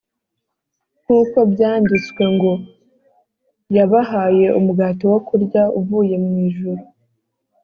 nk uko byanditswe ngo yabahaye umugati wo kurya uvuye mu ijuru